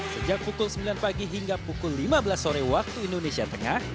sejak pukul sembilan pagi hingga pukul lima belas sore waktu indonesia tengah